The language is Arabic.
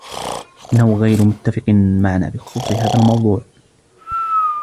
إنه غير متفق معنا بخصوص هذا الموضوع.